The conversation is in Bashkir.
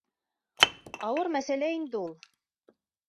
Ауыр мәсьәлә инде ул...